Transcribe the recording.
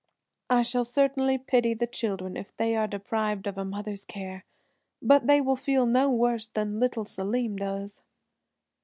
"I shall certainly pity the children if they are deprived of a mother's care, but they will feel no worse than little Selim does."